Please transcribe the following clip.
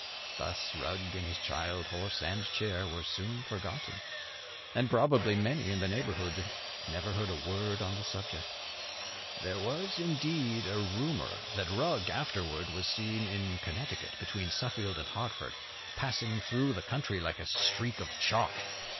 Thus Rugg and his child, horse and chair, were soon forgotten; and probably many in the neighbourhood never heard a word on the subject. "There was indeed a rumour that Rugg afterward was seen in Connecticut, between Suffield and Hartford, passing through the country like a streak of chalk.